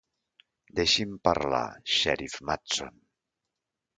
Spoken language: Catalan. Deixi'm parlar, Sheriff Matson!